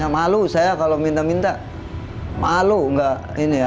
malu saya kalau minta minta malu nggak ini ya